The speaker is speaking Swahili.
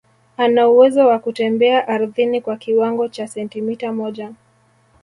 anauwezo wa kutembea ardhini kwa kiwango cha sentimita moja